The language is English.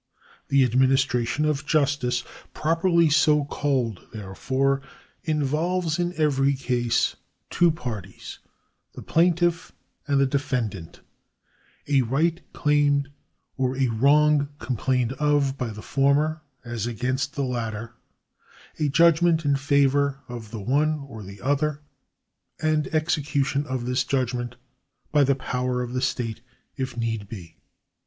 The administration of justice properly so called, therefore, involves in every case two parties, the plaintiff and the defendant, a right claimed or a wrong complained of by the former as against the latter, a judgment in favour of the one or the other, and execution of this judgment by the power of the state if need be.